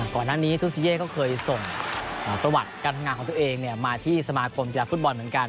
ก่อนหน้านี้ทุซิเย่ก็เคยส่งประวัติการทำงานของตัวเองมาที่สมาคมกีฬาฟุตบอลเหมือนกัน